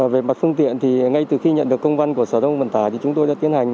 về mặt phương tiện thì ngay từ khi nhận được công văn của sở thông vận tải thì chúng tôi đã tiến hành